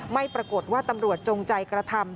ไม่ปรากฏว่าตำรวจจงใจกระทำ